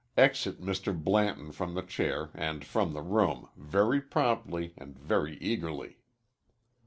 Exit Mr. Blanton from the chair and from the room, very promptly and very eagerly.